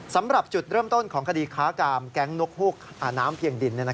สำหรับจุดเริ่มต้นของคดีค้ากามแก๊งนกฮูกน้ำเพียงดิน